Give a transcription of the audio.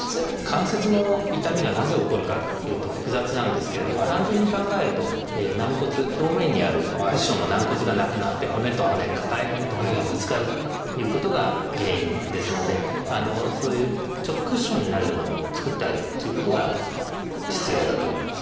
関節の痛みがなぜ起こるかというと複雑なんですけれども単純に考えると軟骨表面にあるクッションの軟骨がなくなって骨と骨硬い骨と骨がぶつかるということが原因ですのでそういうちょっとクッションになるようなものを作ってあげるっていうことが必要だと思います。